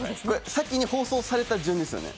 先に放送された順ですよね。